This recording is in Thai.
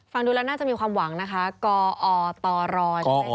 ฟังดูแล้วน่าจะมีความหวังนะคะกอตรใช่ไหมคะ